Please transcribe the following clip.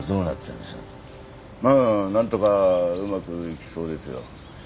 まあなんとかうまくいきそうですよ。